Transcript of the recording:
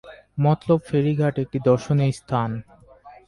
মতলব ferry ঘাট একটি দর্শনীয় স্থান।